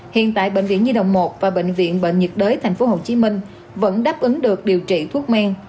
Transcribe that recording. hiện tại bệnh viện nhi đồng một và bệnh viện bệnh nhiệt đới tp hcm vẫn đáp ứng được điều trị thuốc men